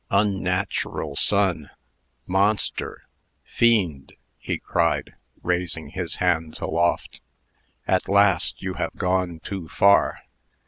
"Unnatural son! monster! fiend!" he cried, raising his hands aloft; "at last you have gone too far.